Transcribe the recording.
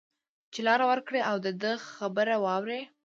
چې لار ورکړی او د ده خبره واوري